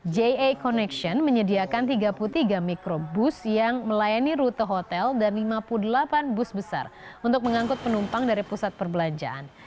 ja connection menyediakan tiga puluh tiga mikrobus yang melayani rute hotel dan lima puluh delapan bus besar untuk mengangkut penumpang dari pusat perbelanjaan